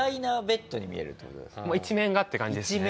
もう一面がって感じですね。